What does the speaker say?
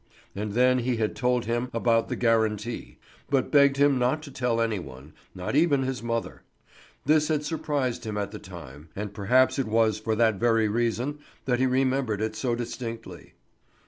And then he had told him about the guarantee, but begged him not to tell any one, not even his mother. This had surprised him at the time, and perhaps it was for that very reason that he remembered it so distinctly.